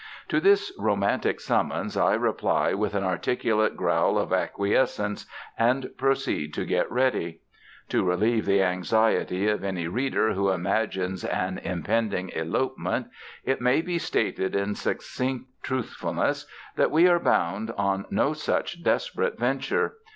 To this romantic summons I reply with an articulate growl of acquiescence, and proceed to get ready. To relieve the anxiety of any reader who imagines an impending elopement it may be stated in succinct truthfulness that we are bound on no such desperate venture.